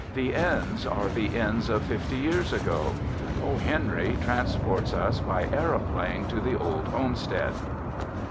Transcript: The ends are the ends of fifty years ago; O. Henry transports us by aeroplane to the old homestead.